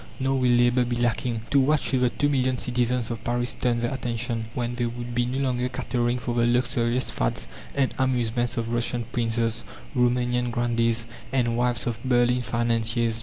Nor will labour be lacking. To what should the two million citizens of Paris turn their attention, when they would be no longer catering for the luxurious fads and amusements of Russian princes, Roumanian grandees, and wives of Berlin financiers?